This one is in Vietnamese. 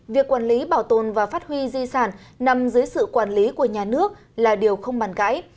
việc quản lý bảo tồn và phát huy di sản nằm dưới sự quản lý của nhà nước là điều không bàn cãi